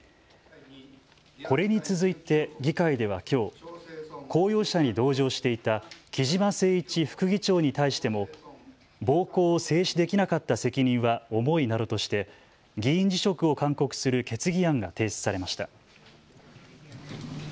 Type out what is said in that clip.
これに続いて議会ではきょう、公用車に同乗していた木嶋せい一副議長に対しても暴行を制止できなかった責任は重いなどとして議員辞職を勧告する決議案が提出されました。